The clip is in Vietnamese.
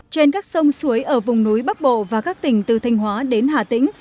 trên các sông suối ở vùng núi bắc bộ và các tỉnh từ thanh hóa đến hà tĩnh